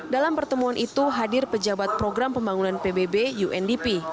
dalam pertemuan itu hadir pejabat program pembangunan pbb undp